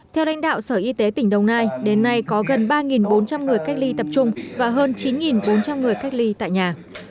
theo đánh đạo sở y tế tỉnh đồng nai đến nay có gần ba bốn trăm linh người cách ly tập trung và hơn chín bốn trăm linh người cách ly tại nhà